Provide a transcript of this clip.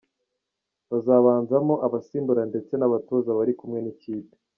bazabanzamo, abasimbura ndetse n'abatoza bari kumwe n'ikipe.